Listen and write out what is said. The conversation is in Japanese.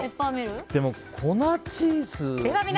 でも粉チーズ。